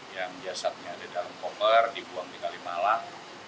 yang jasadnya ada dalam koper dibuang tinggal di malam